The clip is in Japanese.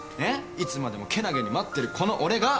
いつまでもけなげに待ってるこの俺が。